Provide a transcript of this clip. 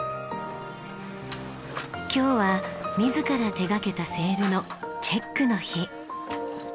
今日は自ら手掛けたセールのチェックの日。